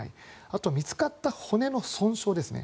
あとは見つかった骨の損傷ですね。